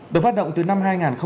được phát động từ năm